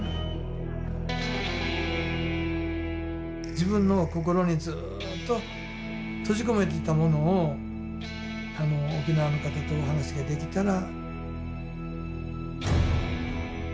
自分の心にずっと閉じ込めていたものを沖縄の方とお話ができたら。